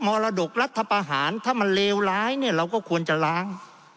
มรดกรัฐประหารถ้ามันเลวร้ายเนี่ยเราก็ควรจะล้าง